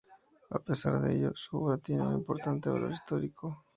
A pesar de ello, su obra tiene un importante valor histórico.